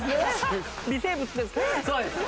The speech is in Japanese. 微生物ですか？